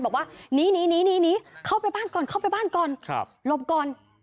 บอกว่าหนีเข้าไปบ้านก่อนเข้าไปบ้านก่อนหลบก่อน